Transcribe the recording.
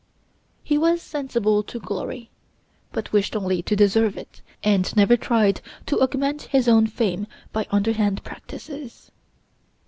He was sensible to glory, but wished only to deserve it, and never tried to augment his own fame by underhand practices.